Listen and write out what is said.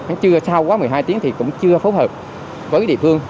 hay chưa sau quá một mươi hai tiếng thì cũng chưa phối hợp với địa phương